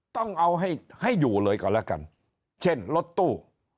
ต้องเอาให้ให้อยู่เลยก่อนแล้วกันเช่นรถตู้